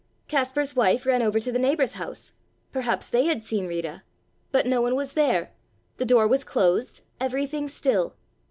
Kaspar's wife ran over to the neighbor's house, perhaps they had seen Rita, but no one was there, the door was closed, everything still.